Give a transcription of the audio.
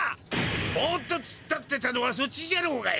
ボッとつっ立ってたのはそっちじゃろうがい！